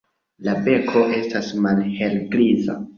La beko estas malhelgriza.